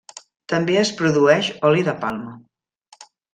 També es produeix oli de palma.